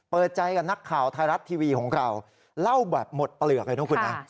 เปิดใจกับนักข่าวไทยรัฐทีวีของเราเล่าแบบหมดเปลือกเลยนะคุณนะ